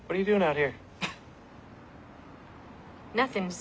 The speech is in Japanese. あ。